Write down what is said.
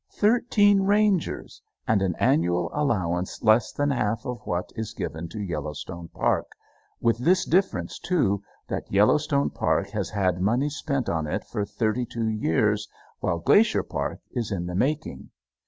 Thirteen rangers, and an annual allowance less than half of what is given to Yellowstone Park, with this difference, too, that Yellowstone Park has had money spent on it for thirty two years while Glacier Park is in the making!